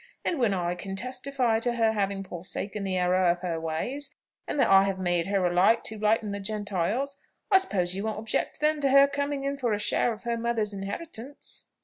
And when I can testify to her having forsaken the errors of her ways, and that I have made her a light to lighten the Gentiles, I suppose you won't object then to her coming in for a share of her mother's inheritance?"